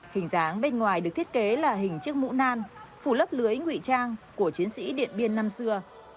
hình dáng bên ngoài được thiết kế là hình chiếc mũ nan phủ lớp lưới ngụy trang của chiến sĩ điện biên năm xưa